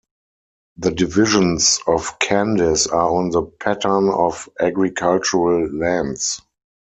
The divisions of Kandis are on the pattern of agricultural lands.